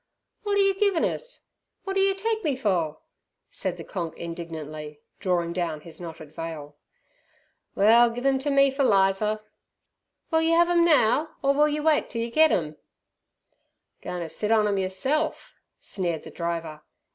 "Wot are yer givin' us; wot do yer take me fur?" said the "Konk" indignantly, drawing down his knotted veil. "Well, give 'em ter me fer Lizer." "Will yer 'ave 'em now, or wait till yer get 'em?" "Goin' ter sit on 'em yerself?" sneered the driver.